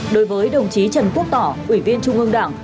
đối với đồng chí trần quốc tỏ ủy viên trung ương đảng